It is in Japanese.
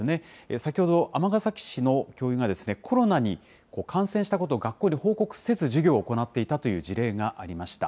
先ほど、尼崎市の教諭がコロナに感染したことを学校に報告せず授業を行っていたという事例がありました。